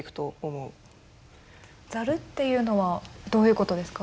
ザルっていうのはどういうことですか？